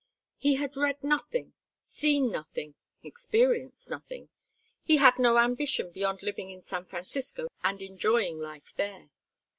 He had read nothing, seen nothing, experienced nothing. He had no ambition beyond living in San Francisco and enjoying life there.